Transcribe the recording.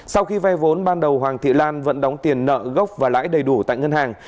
sau khi vay vốn ban đầu hoàng thị lan vẫn đóng tiền nợ gốc và lãi đầy đủ tại ngân hàng